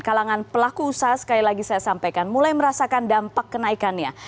kalangan pelaku usaha sekali lagi saya sampaikan mulai merasakan dampak kenaikannya